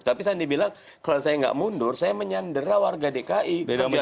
tapi sandi bilang kalau saya nggak mundur saya menyandera warga dki